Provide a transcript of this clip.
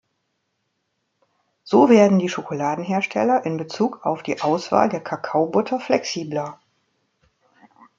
So werden die Schokoladenhersteller in Bezug auf die Auswahl der Kakaobutter flexibler.